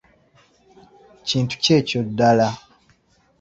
Kintu ki ekyo ddala?